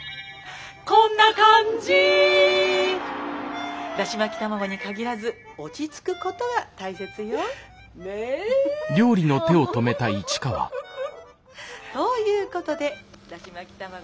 こんな感じだし巻き卵に限らず落ち着くことが大切よ。ね。ということでだし巻き卵の。